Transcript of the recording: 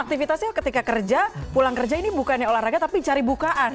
aktivitasnya ketika kerja pulang kerja ini bukannya olahraga tapi cari bukaan